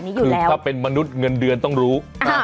นี้อยู่แล้วคือถ้าเป็นมนุษย์เงินเดือนต้องรู้อ่า